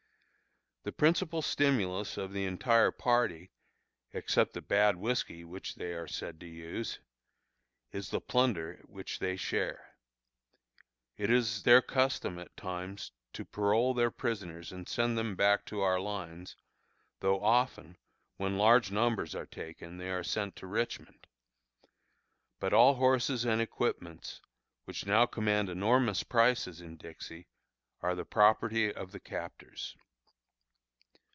The principal stimulus of the entire party (except the bad whiskey which they are said to use), is the plunder which they share. It is their custom at times to parole their prisoners and send them back to our lines, though often, when large numbers are taken, they are sent to Richmond; but all horses and equipments, which now command enormous prices in Dixie, are the property of the captors.